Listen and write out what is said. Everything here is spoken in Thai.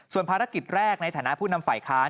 ส่วนภารกิจแรกในฐานะผู้นำฝ่ายค้าน